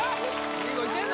いける？